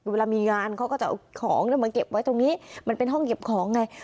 เวลามีงานเขาก็จะเอาของมาเก็บไว้ตรงนี้มันเป็นห้องเก็บของไง